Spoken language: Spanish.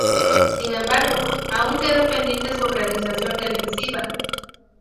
Sin embargo, aún queda pendiente su realización televisiva.